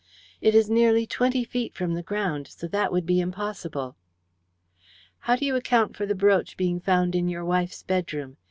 "It is nearly twenty feet from the ground, so that would be impossible." "How do you account for the brooch being found in your wife's bedroom?